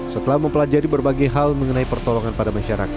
setelah mempelajari berbagai hal mengenai pertolongan pada masyarakat